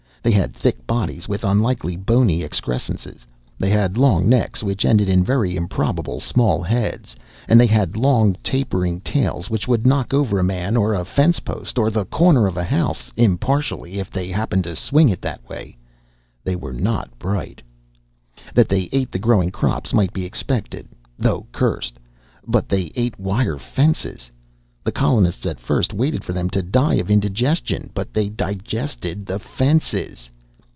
They had thick bodies with unlikely bony excrescences, they had long necks which ended in very improbable small heads, and they had long tapering tails which would knock over a man or a fence post or the corner of a house, impartially, if they happened to swing that way. They were not bright. That they ate the growing crops might be expected, though cursed. But they ate wire fences. The colonists at first waited for them to die of indigestion. But they digested the fences.